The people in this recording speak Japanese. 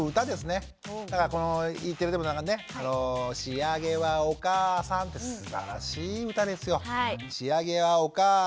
だからこのＥテレでもなんかね「しあげはおかあさん」ってすばらしい歌ですよ。